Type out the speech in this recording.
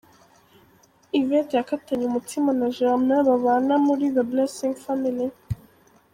Yvette yakatanye umutsima na Germain babana muri The Blessing Family.